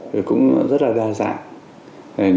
thì cũng rất là đa dạng